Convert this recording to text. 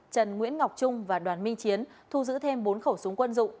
trần nguyễn ngọc trung và đoàn minh chiến thu giữ thêm bốn khẩu súng quân dụng